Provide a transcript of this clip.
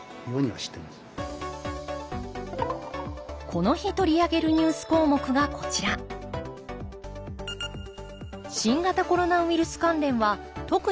この日取り上げるニュース項目がこちら新型コロナウイルス関連は特に重要だと考え